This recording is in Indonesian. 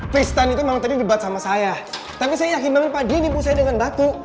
pistan itu malu tadi dibat sama saya tapi saya yakin banget pak dia nipu saya dengan batu